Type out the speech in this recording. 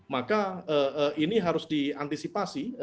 maka ini harus diantisipasi